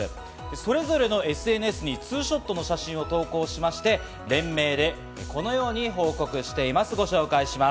それぞれのＳＮＳにツーショットの写真を投稿しまして、連名でこのように報告しています。